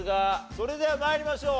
それでは参りましょう。